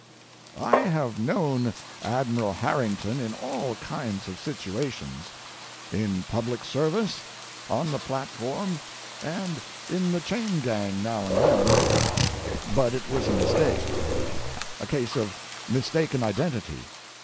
I have known Admiral Harrington in all kinds of situations—in public service, on the platform, and in the chain gang now and then—but it was a mistake. A case of mistaken identity.